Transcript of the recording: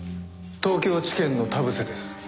東京地検の田臥です。